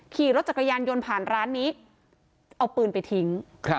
ขี่รถจักรยานยนต์ผ่านร้านนี้เอาปืนไปทิ้ง